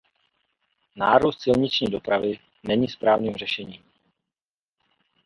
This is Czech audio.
Nárůst silniční dopravy není správným řešením.